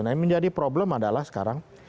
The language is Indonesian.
nah yang menjadi problem adalah sekarang